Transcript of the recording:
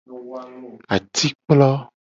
Atikplo.